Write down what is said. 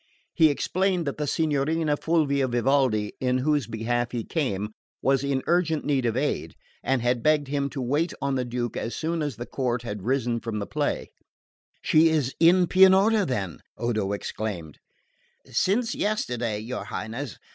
He explained that the Signorina Fulvia Vivaldi, in whose behalf he came, was in urgent need of aid, and had begged him to wait on the Duke as soon as the court had risen from the play. "She is in Pianura, then?" Odo exclaimed. "Since yesterday, your Highness.